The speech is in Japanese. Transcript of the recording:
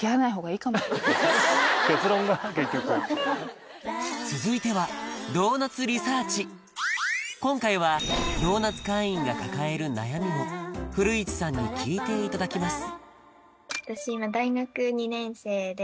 結論が結局続いては今回はドーナツ会員が抱える悩みを古市さんに聞いていただきます